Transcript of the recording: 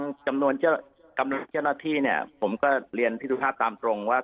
กำนวณเจ้ากำนวณเจ้าหน้าที่เนี่ยผมก็เรียนทิศภาพตามตรงว่า